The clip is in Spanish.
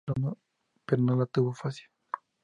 Pero no la tuvo fácil.